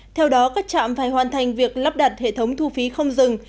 theo đó các trạm phải hoàn thành việc lắp đặt hệ thống thu phí không dừng